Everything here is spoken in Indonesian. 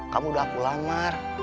kamu udah aku lamar